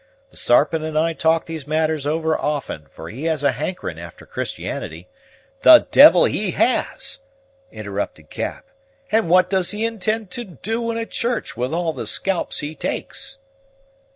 The Sarpent and I talk these matters over often, for he has a hankerin' after Christianity " "The d l he has!" interrupted Cap. "And what does he intend to do in a church with all the scalps he takes?"